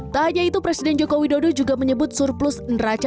tak hanya itu presiden joko widodo juga menyebut surplus neraca